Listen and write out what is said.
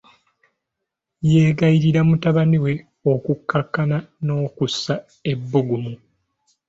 Yeegayirira mutabani we okukkakkana n'okussa ebbugumu.